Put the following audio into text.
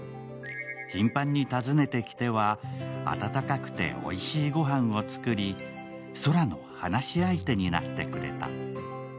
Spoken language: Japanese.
頻繁に訪ねてきては温かくておいしい御飯を作り宙の話し相手になってくれた。